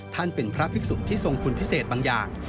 ท่านเป็นพระภิกษุที่ทรงคุณพิเศษบางอย่าง